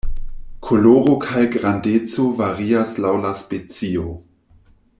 Koloro kaj grandeco varias laŭ la specio.